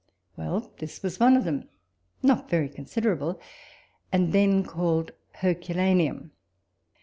Well, this was one of them, not very considerable, and then called Herculaneum.